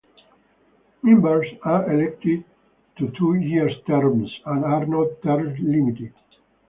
Members are elected to two-year terms and are not term-limited.